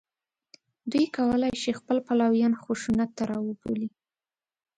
دوی کولای شي خپل پلویان خشونت ته راوبولي